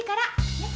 ねっ。